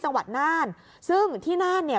จังหวัดน่านซึ่งที่น่านเนี่ย